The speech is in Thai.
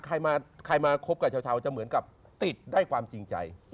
ใครมาใครมาคบกับชาวจะเหมือนกับติดได้ความจริงใจ